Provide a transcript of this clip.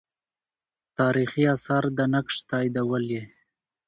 تاریخي آثار دا نقش تاییدولې.